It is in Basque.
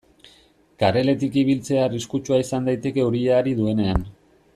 Kareletik ibiltzea arriskutsua izan daiteke euria ari duenean.